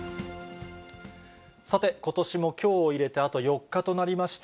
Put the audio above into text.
さて、ことしもきょうを入れてあと４日となりました。